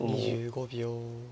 ２５秒。